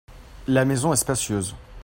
La maison est spacieuse.